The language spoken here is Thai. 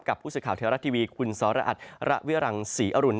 กับผู้สึกข่าวเทวรัฐทีวีคุณสอระอัดระเวียรังศรีอรุณ